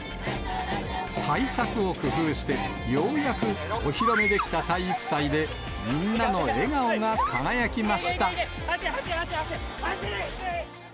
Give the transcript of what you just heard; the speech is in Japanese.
対策を工夫して、ようやくお披露目できた体育祭で、みんなの笑顔が輝きました。